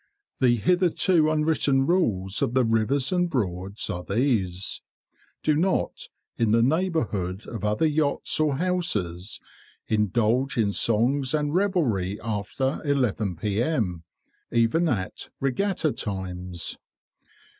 The hitherto unwritten rules of the Rivers and Broads are these:— Do not, in the neighbourhood of other yachts or houses, indulge in songs and revelry after eleven p.m., even at regatta times.